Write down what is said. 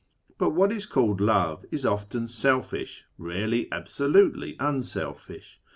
But what is called love is often selfish ; rarely absolutely I unselfish.